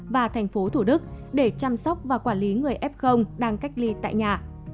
và thành phố thủ đức để chăm sóc và quản lý người f đang cách ly tại nhà